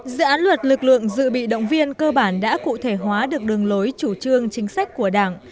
dự án luật lực lượng dự bị động viên cơ bản đã cụ thể hóa được đường lối chủ trương chính sách của đảng